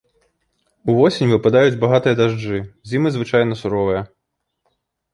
Увосень выпадаюць багатыя дажджы, зімы звычайна суровыя.